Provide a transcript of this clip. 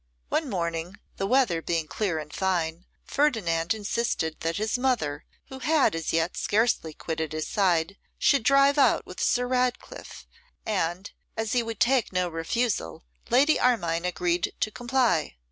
One morning, the weather being clear and fine, Ferdinand insisted that his mother, who had as yet scarcely quitted his side, should drive out with Sir Ratcliffe; and, as he would take no refusal, Lady Armine agreed to comply.